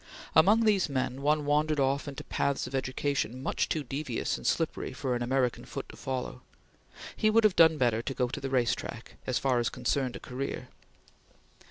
Among these men, one wandered off into paths of education much too devious and slippery for an American foot to follow. He would have done better to go on the race track, as far as concerned a career.